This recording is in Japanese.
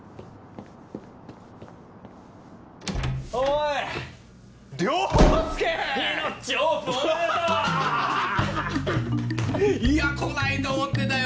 いや来ないと思ってたよ！